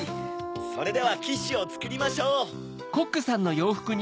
それではキッシュをつくりましょう。